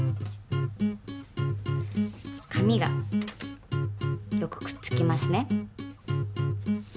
紙がよくくっつきますね。